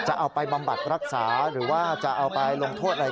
จะเอาไปบำบัดรักษาหรือว่าจะเอาไปลงโทษอะไร